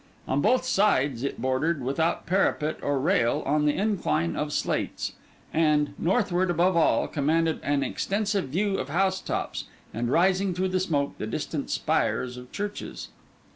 On both sides, it bordered, without parapet or rail, on the incline of slates; and, northward above all, commanded an extensive view of housetops, and rising through the smoke, the distant spires of churches.